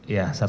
ya satu kali